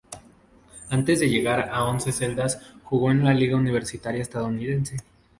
Antes de llegar al Once Caldas jugó en la liga universitaria estadounidense.